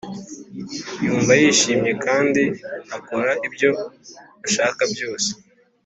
yumva yishimye kandi akora ibyo ashaka byose.